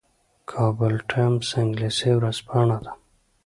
کابل ټایمز انګلیسي ورځپاڼه ده